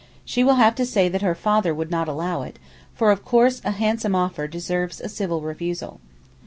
She will have to say that her father would not allow it, for of course a handsome offer deserves a civil refusal.